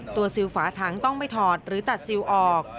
ซิลฝาถังต้องไม่ถอดหรือตัดซิลออก